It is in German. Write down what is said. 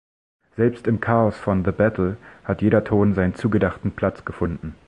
Selbst im Chaos von "The Battle" hat jeder Ton seinen zugedachten Platz gefunden.